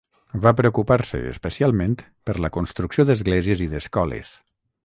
Va preocupar-se especialment per la construcció d'esglésies i d'escoles.